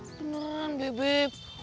ih beneran beb beb